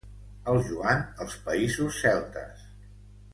El Joan als països celtes.